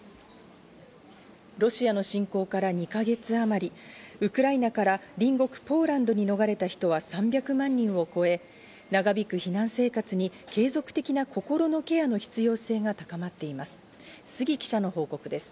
ロシアの侵攻から２か月あまり、ウクライナから隣国のポーランドに逃れた人は３００万人を超え、長引く避難生活に継続的な心のケアの必要性が高まっています。